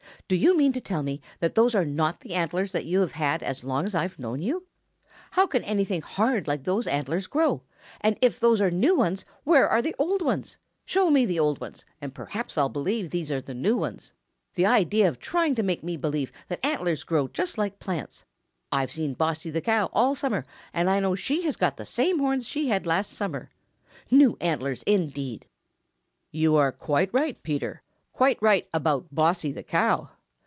"Do you mean to tell me that those are not the antlers that you have had as long as I've known you? How can anything hard like those antlers grow? And if those are new ones, where are the old ones? Show me the old ones, and perhaps I'll believe that these are new ones. The idea of trying to make me believe that antlers grow just like plants! I've seen Bossy the Cow all summer and I know she has got the same horns she had last summer. New antlers indeed!" "You are quite right, Peter, quite right about Bossy the Cow.